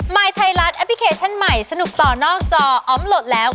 ยไทยรัฐแอปพลิเคชันใหม่สนุกต่อนอกจออมโหลดแล้ว